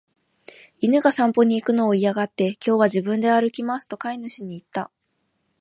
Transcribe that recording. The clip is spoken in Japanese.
犬が散歩に行くのを嫌がって、「今日は自分で歩きます」と飼い主に言った。